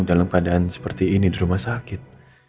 dalam keadaan seperti ini di rumah sakit